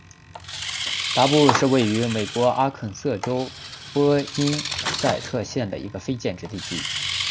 达布是位于美国阿肯色州波因塞特县的一个非建制地区。